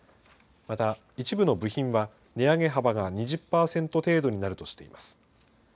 また一部の部品は値上げ幅が２０％程度になるとしています。